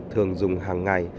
thường dùng hàng ngày